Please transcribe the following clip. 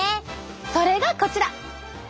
それがこちら！